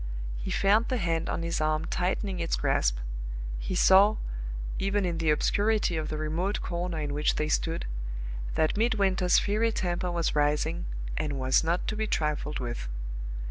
He felt the hand on his arm tightening its grasp; he saw, even in the obscurity of the remote corner in which they stood, that Midwinter's fiery temper was rising, and was not to be trifled with.